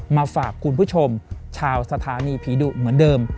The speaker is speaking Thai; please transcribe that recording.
มาฝากคุณผู้ชมชาวสถานีผีดุเหมือนเดิม